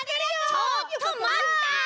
ちょっとまった！